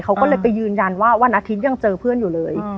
เขาก็เลยไปยืนยันว่าวันอาทิตย์ยังเจอเพื่อนอยู่เลย